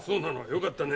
よかったね。